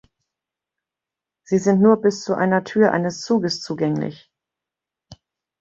Sie sind nur bis zu einer Tür eines Zuges zugänglich.